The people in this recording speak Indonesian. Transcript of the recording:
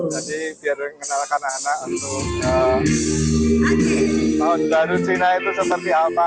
jadi biar kenalkan anak anak untuk tahun baru cina itu seperti apa